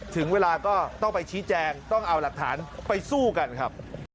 ถึงเวลาก็ต้องไปชี้แจงต้องเอาหลักฐานไปสู้กันครับ